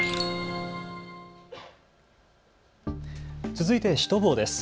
続いてシュトボーです。